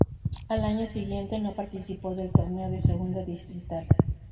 Al año siguiente no participó del torneo de Segunda distrital.